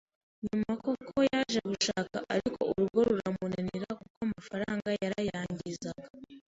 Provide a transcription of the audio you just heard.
Nyuma koko yaje gushaka, ariko urugo ruramunanira, kuko amafaranga yarayangizaga